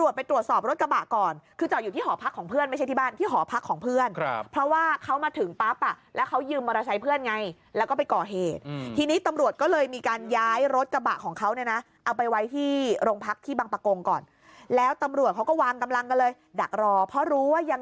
เฮ้ยรถกระบะฆอของเค้านะนะเอาไปไว้ที่โรงพรรคที่บังปะโกงก่อนแล้วตำรวจเขาก็วางกำรังกันเลยดักรอเพราะรู้ว่ายัง